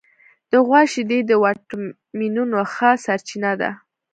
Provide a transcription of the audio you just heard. د غوا شیدې د وټامینونو ښه سرچینه ده.